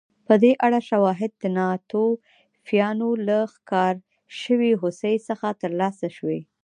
په دې اړه شواهد د ناتوفیانو له ښکار شوې هوسۍ څخه ترلاسه شوي